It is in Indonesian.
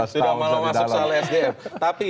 sudah malah masuk soal sdm tapi